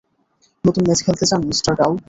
নতুন ম্যাচ খেলতে চান, মিঃ গাও?